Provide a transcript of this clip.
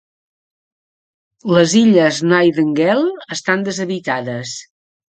Les illes Nightingale estan deshabitades.